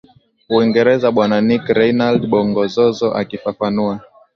Uingereza Bwana Nick Reynald Bongozozo akifafanua